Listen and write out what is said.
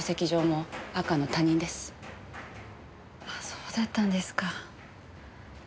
そうだったんですか。